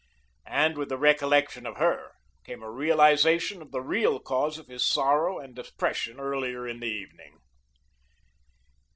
And with the recollection of her came a realization of the real cause of his sorrow and depression earlier in the evening.